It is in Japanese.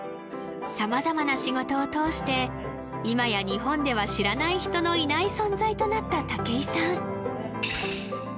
様々な仕事を通して今や日本では知らない人のいない存在となった武井さん